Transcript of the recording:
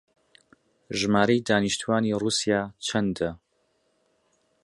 ژمارەی دانیشتووانی ڕووسیا چەندە؟